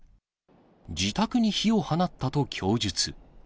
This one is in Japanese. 自宅に火を放ったと供述。